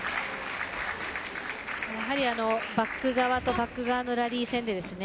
やはりバック側とバック側のラリー戦でですね